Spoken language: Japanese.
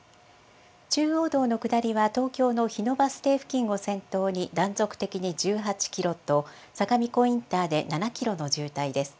中央道の下りは東京の日野バス停付近を先頭に断続的に１８キロと、相模湖インターで７キロの渋滞です。